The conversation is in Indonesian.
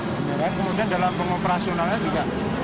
kemudian dalam pengoperasionalnya juga